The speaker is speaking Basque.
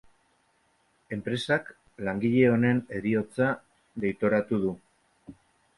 Enpresak langile honen heriotza deitoratu du.